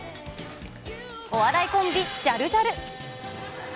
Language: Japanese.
お笑いコンビ、ジャルジャル。